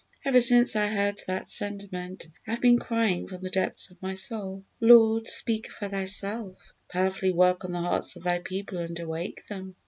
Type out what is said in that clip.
Ever since I heard that sentiment I have been crying from the depths of my soul, "Lord, speak for Thyself; powerfully work on the hearts of Thy people and awake them.